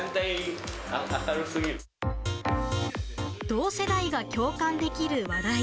同世代が共感できる話題。